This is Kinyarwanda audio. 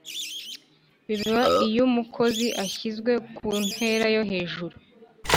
biba iyo umukozi ashyizwe ku ntera yo hejuru